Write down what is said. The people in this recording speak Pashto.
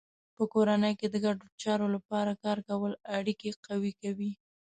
په کورنۍ کې د ګډو چارو لپاره کار کول اړیکې قوي کوي.